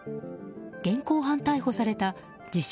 現行犯逮捕された自称